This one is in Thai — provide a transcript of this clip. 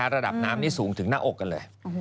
ระดับน้ำนี่สูงถึงหน้าอกกันเลย